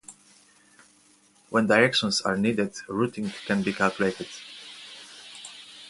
When directions are needed routing can be calculated.